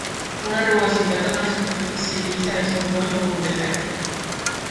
Una rugositat a una superfície llisa és un bony o un defecte.